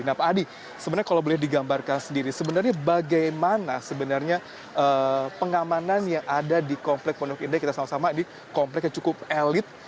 nah pak adi sebenarnya kalau boleh digambarkan sendiri sebenarnya bagaimana sebenarnya pengamanan yang ada di komplek pondok indah kita sama sama ini komplek yang cukup elit